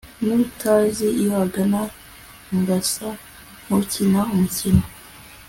nkutazi iyo agana ngasa nkukina umukino